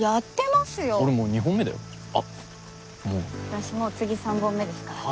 私もう次３本目ですから。